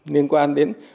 liên quan đến